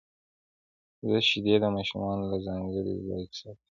زه شیدې د ماشومانو لپاره ځانګړي ځای کې ساتم.